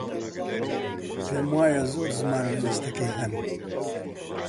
پێم وایە زۆر زمان لە لیستەکەی هەن.